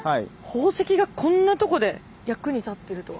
宝石がこんなとこで役に立ってるとは。